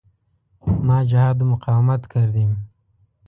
ما جهاد و مقاومت کردیم.